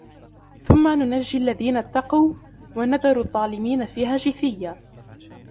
ثُمَّ نُنَجِّي الَّذِينَ اتَّقَوْا وَنَذَرُ الظَّالِمِينَ فِيهَا جِثِيًّا